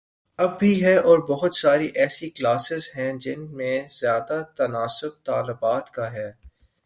اب بھی ہے اور بہت ساری ایسی کلاسز ہیں جن میں زیادہ تناسب طالبات کا ہے۔